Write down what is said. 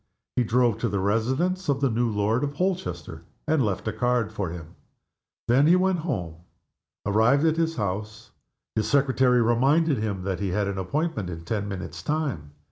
He drove to the residence of the new Lord Holchester, and left a card for him. Then he went home. Arrived at his house, his secretary reminded him that he had an appointment in ten minutes' time.